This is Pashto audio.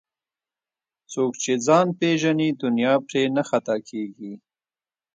څوک چې ځان پیژني دنیا پرې نه خطا کېږي